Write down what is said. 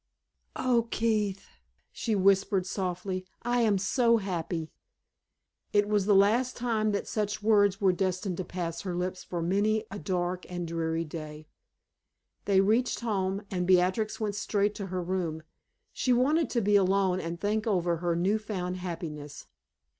"Oh, Keith," she whispered, softly, "I am so happy!" It was the last time that such words were destined to pass her lips for many a dark and dreadful day. They reached home, and Beatrix went straight to her room. She wanted to be alone and think over her new found happiness.